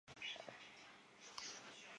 目标之一是收复吐谷浑故地。